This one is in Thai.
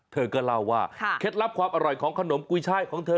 เธอก็เล่าว่าเคล็ดลับความอร่อยของขนมกุยช่ายของเธอ